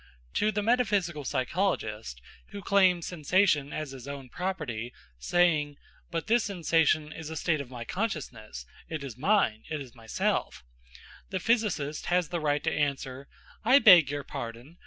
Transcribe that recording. To the metaphysical psychologist, who claims sensation as his own property, saying, "But this sensation is a state of my consciousness, it is mine, it is myself," the physicist has the right to answer: "I beg your pardon!